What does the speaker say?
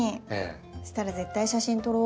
そしたら絶対写真撮ろう。